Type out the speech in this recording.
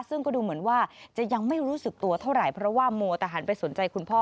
ซึ่งก็ดูเหมือนว่าจะยังไม่รู้สึกตัวเท่าไหร่เพราะว่ามัวแต่หันไปสนใจคุณพ่อ